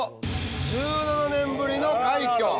１７年ぶりの快挙。